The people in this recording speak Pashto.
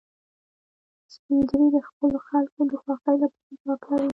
سپین ږیری د خپلو خلکو د خوښۍ لپاره دعا کوي